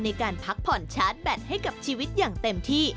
ในการพักผ่อนชาร์จแบตให้กับชีวิตอย่างเต็มที่